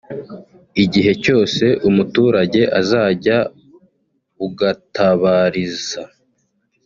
igihe cyose umuturage azajya ugatabariza